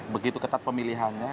begitu ketat pemilihannya